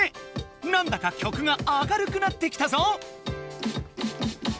なんだか曲が明るくなってきたぞ！